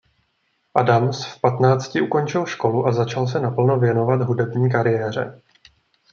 Adams v patnácti ukončil školu a začal se naplno věnovat hudební kariéře.